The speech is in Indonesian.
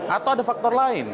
atau ada faktor lain